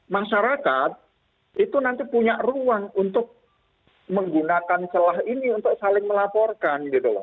masyarakat itu nanti punya ruang untuk menggunakan celah ini untuk saling melaporkan gitu loh